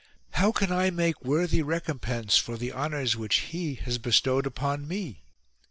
How can I make worthy recompense for the honours which he has bestowed upon me